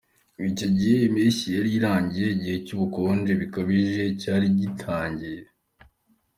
Ngo icyo gihe impeshyi yari irangiye; igihe cy’ubukonje bukabije cyari gitangiye.